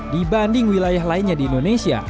dibanding wilayah lainnya di indonesia